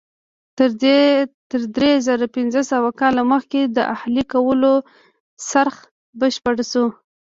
تر درې زره پنځه سوه کاله مخکې د اهلي کولو څرخ بشپړ شو.